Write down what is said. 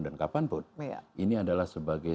dan kapanpun ini adalah sebagai